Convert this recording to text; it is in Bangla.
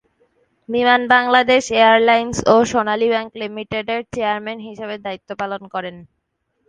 বিমান বাংলাদেশ এয়ারলাইন্স ও সোনালী ব্যাংক লিমিটেডের চেয়ারম্যান হিসেবে দায়িত্ব পালন করেন।